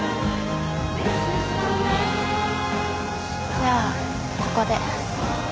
じゃあここで。